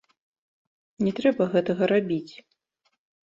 Не трэба гэтага рабіць.